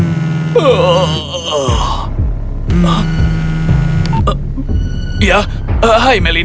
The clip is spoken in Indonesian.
dan kasus ini membangunkan marvin